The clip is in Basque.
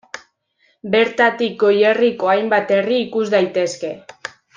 Bertatik Goierriko hainbat herri ikus daitezke.